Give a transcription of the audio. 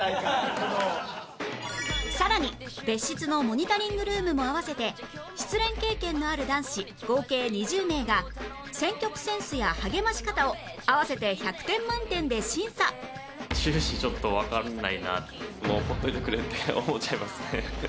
さらに別室のモニタリングルームも合わせて失恋経験のある男子合計２０名が選曲センスや励まし方を合わせて１００点満点で審査って思っちゃいますね。